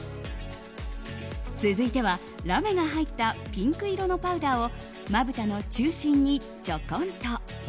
続いてはラメが入ったピンク色のパウダーをまぶたの中心にちょこんと。